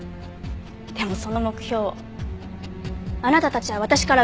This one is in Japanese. でもその目標をあなたたちは私から奪った。